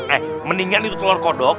eh mendingan itu telur kodok